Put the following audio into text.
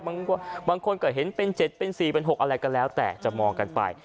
บางคนก็เห็นเป็น๗เป็น๔เป็น๖อะไรก็แล้วแต่จะมองกันไป